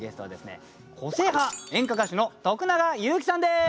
個性派演歌歌手の徳永ゆうきさんです。